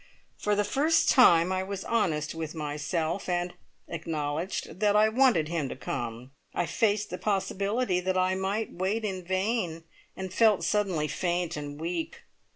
For the first time I was honest with myself, and acknowledged that I wanted him to come! I faced the possibility that I might wait in vain, and felt suddenly faint and weak.